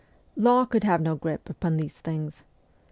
Law could have no grip upon these things.